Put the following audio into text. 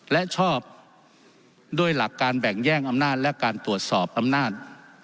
และชอบด้วยหลักการแบ่งแย่งอำนาจและการตรวจสอบอำนาจ